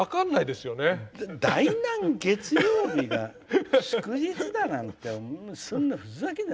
第何月曜日が祝日なんてそんな、ふざけんな！